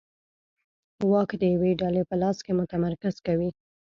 واک د یوې ډلې په لاس کې متمرکز کوي.